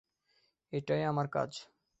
এটাই আমার কাজ।